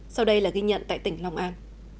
sau đây là ghi nhận tại tỉnh long an